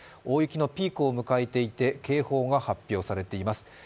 大雪のピークを迎えていて警報が発表されています。